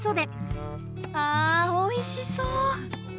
あおいしそう！